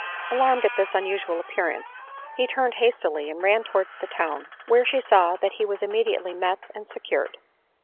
Alarmed at this unusual appearance, he turned hastily and ran towards the town, where she saw that he was immediately met and secured.